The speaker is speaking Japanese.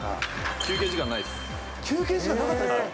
休憩時間なかったですか？